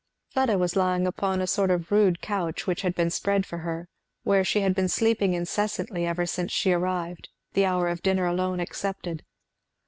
Fleda was lying upon a sort of rude couch which had been spread for her, where she had been sleeping incessantly ever since she arrived, the hour of dinner alone excepted.